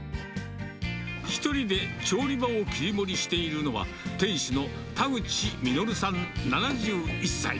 １人で調理場を切り盛りしているのは、店主の田口実さん７１歳。